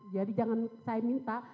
jadi jangan saya minta